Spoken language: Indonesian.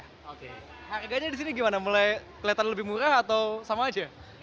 harganya di sini gimana mulai kelihatan lebih murah atau sama aja